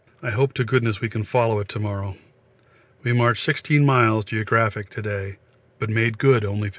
I hope to goodness we can follow it to morrow. We marched 16 miles (geo.) to day, but made good only 15.